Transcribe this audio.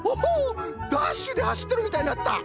ダッシュではしってるみたいになった。